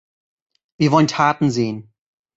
Wir wollen Taten sehen!